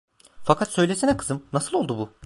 Fakat söylesene kızım, nasıl oldu bu?